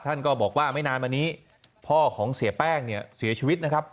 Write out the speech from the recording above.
ท่านก็บอกว่าไม่นานมานี้พ่อของเสียแป้งเนี่ยเสียชีวิตนะครับ